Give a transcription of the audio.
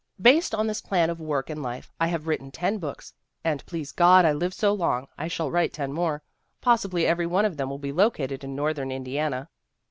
Based on this plan of work and life/IJhaye written ten books, and "please God I live so long," I shall write ten more v Possibly every one of them will be located in northern In diana.